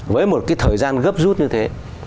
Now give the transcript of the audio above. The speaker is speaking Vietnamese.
với một cái thời gian gấp rút như thế